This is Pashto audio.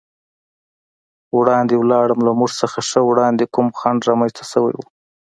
وړاندې ولاړم، له موږ څخه ښه وړاندې کوم خنډ رامنځته شوی و.